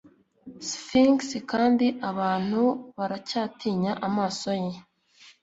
Sphinx kandi abantu baracyatinya amaso ye